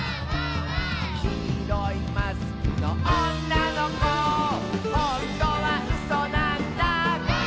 「きいろいマスクのおんなのこ」「ほんとはうそなんだ」